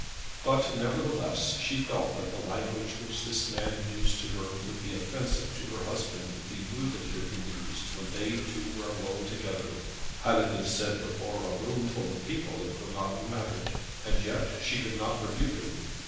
But, nevertheless, she felt that the language which this man had used to her would be offensive to her husband if he knew that it had been used when they two were alone together. Had it been said before a room full of people it would not have mattered. And yet she could not rebuke him.